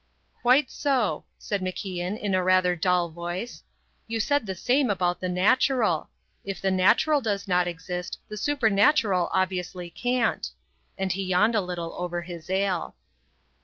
"Quite so," said MacIan in a rather dull voice; "you said the same about the natural. If the natural does not exist the supernatural obviously can't." And he yawned a little over his ale.